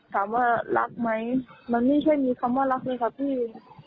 ถามว่ารักไหมมันไม่ใช่มีคำว่ารักด้วยค่ะพี่